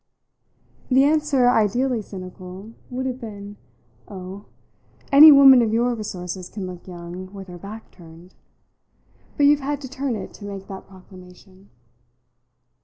The answer ideally cynical would have been: "Oh, any woman of your resources can look young with her back turned! But you've had to turn it to make that proclamation."